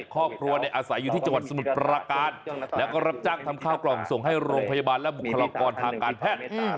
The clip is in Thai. ครอบครัวอาศัยอยู่ที่จังหวัดสมุทรปราการแล้วก็รับจ้างทำข้าวกล่องส่งให้โรงพยาบาลและบุคลากรทางการแพทย์